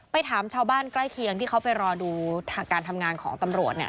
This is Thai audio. ถามชาวบ้านใกล้เคียงที่เขาไปรอดูการทำงานของตำรวจเนี่ย